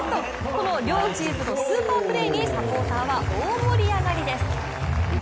この両チームのスーパープレーにサポーターは大盛り上がりです。